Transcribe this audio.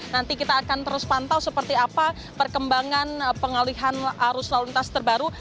nanti kita akan terus pantau seperti apa perkembangan pengalihan arus lalu lintas terbaru